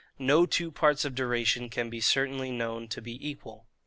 No two Parts of Duration can be certainly known to be equal.